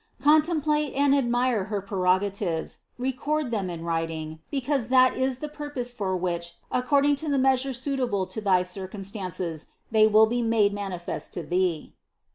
Contemplate and ad mire her prerogatives, record them in writing, because that is the purpose for which, according to the measure suitable to thy circumstances, they will be made mani fest to thee."